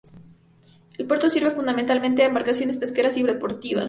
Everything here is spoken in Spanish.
El puerto sirve, fundamentalmente a embarcaciones pesqueras y deportivas.